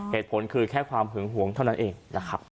เหตุผลคือแค่ความหึงหวงเท่านั้นเองนะครับ